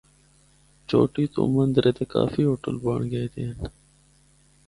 چوٹی تو مَندرے تے کافی ہوٹل بنڑ گئے دے ہن۔